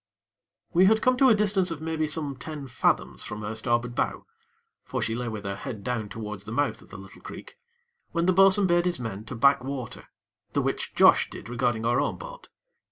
We had come to a distance of maybe some ten fathoms from her starboard bow for she lay with her head down towards the mouth of the little creek when the bo'sun bade his men to back water, the which Josh did regarding our own boat.